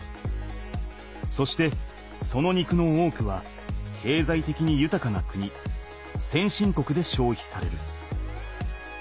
そしてその肉の多くはけいざいてきにゆたかな国先進国でしょうひされる。